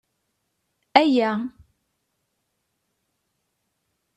Ayya!